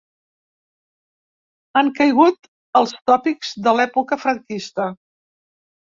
Han caigut als tòpics de l’època franquista.